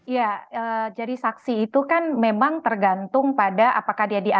ya jadi saksi itu kan memang tergantung pada apakah dia dianggap